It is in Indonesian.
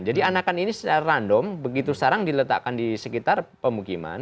jadi anakan ini secara random begitu sekarang diletakkan di sekitar pemukiman